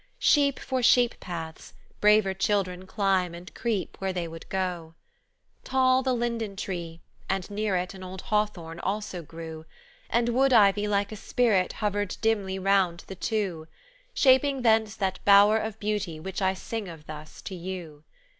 Sheep for sheep paths! braver children climb and creep where they would go. "Tall the linden tree, and near it An old hawthorne also grew; And wood ivy like a spirit Hovered dimly round the two, Shaping thence that bower of beauty which I sing of thus to you.